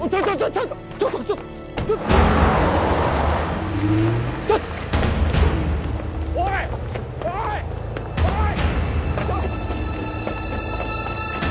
ちょっとちょっとちょっとちょっとちょっとおいおいおい！